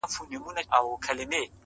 سحر وختي بۀ يى قرضداري دروازه وهله,